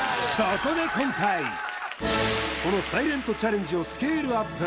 このサイレントチャレンジをスケールアップ！